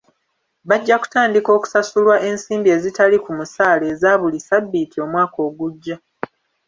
Bajja kutandika okusasulwa ensimbi ezitali ku musaala eza buli sabbiiti omwaka ogujja.